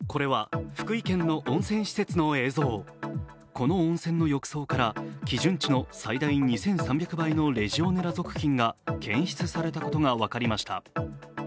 この温泉の浴槽から基準値のおよそ２３００倍のレジオネラ属菌が検出されたことが分かりました。